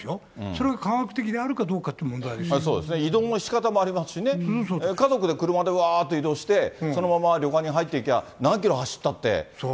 それが科学的であるかどうかといそうですね、移動のしかたもありますしね、家族で車でわーっと移動して、そのまま旅館に入っていきゃ、何キロ走ったって。